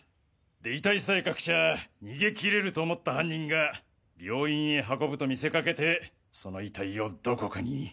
で遺体さえ隠しゃ逃げ切れると思った犯人が病院へ運ぶと見せかけてその遺体をどこかに。